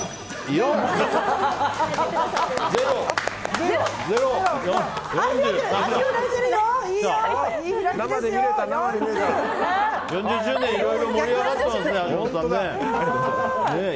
４０周年いろいろ盛り上がってますね、橋本さん。